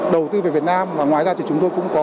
đầu tư về việt nam và ngoài ra thì chúng tôi cũng có